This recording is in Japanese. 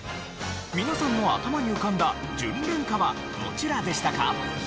皆さんの頭に浮かんだ「じゅんれんか」はどちらでしたか？